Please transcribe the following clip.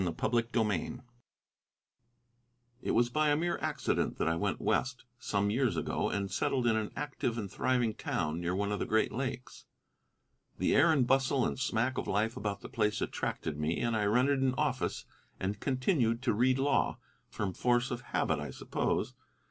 CHAPTER II It was by a mere accident that I went West, some years ago, and settled in an active and thriving town near one of the Great Lakes. The air and bustle and smack of life about the place attracted me, and I rented an office and continued to read law, from force of habit, I suppose.